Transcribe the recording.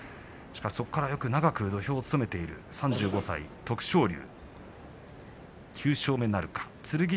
そこから長く土俵を務めている３５歳、徳勝龍。